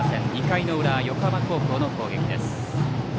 ２回裏、横浜高校の攻撃です。